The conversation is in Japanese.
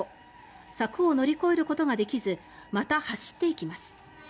柵を乗り越えることができずまた走っていきます。